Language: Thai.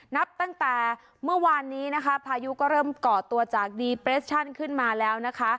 นับตั้งแต่เมื่อวานนี้นะคะพายุก็เริ่มก่อตัวจากดีเปรชั่นขึ้นมาแล้วนะคะ